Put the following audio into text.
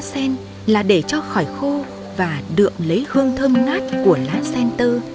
lá sen là để cho khỏi khô và đượm lấy hương thơm ngát của lá sen tơ